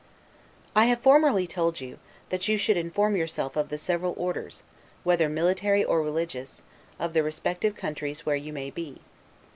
I have formerly told you, that you should inform yourself of the several orders, whether military or religious, of the respective countries where you may be.